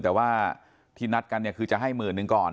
แต่ว่าที่นัดกันเนี่ยคือจะให้หมื่นหนึ่งก่อน